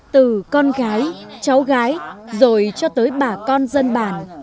từ con gái cháu gái rồi cho tới bà con dân bản